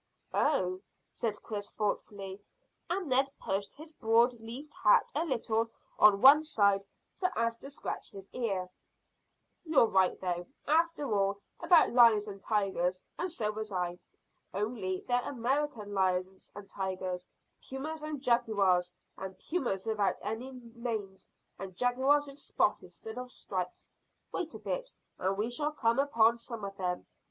"Oh!" said Chris thoughtfully, and Ned pushed his broad leaved hat a little on one side so as to scratch his ear. "You're right, though, after all, about lions and tigers, and so was I. Only they're American lions and tigers pumas and jaguars, and pumas without any manes, and jaguars with spots instead of stripes. Wait a bit, and we shall come upon some of them.